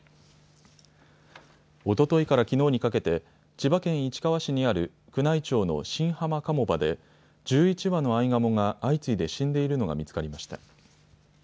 おとといからきのうにかけて千葉県市川市にある宮内庁の新浜鴨場で１１羽のアイガモが相次いで死んでいるのが見つかりました。